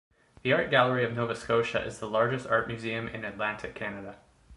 The Art Gallery of Nova Scotia is the largest art museum in Atlantic Canada.